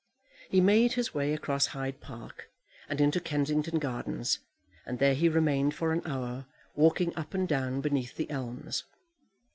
He made his way across Hyde Park, and into Kensington Gardens, and there he remained for an hour, walking up and down beneath the elms.